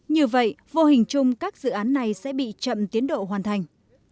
như vậy vô hình chung các dự án này sẽ bị chậm tiến độ hoàn thành